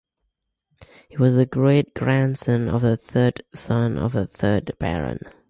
He was the great-grandson of the third son of the third Baron.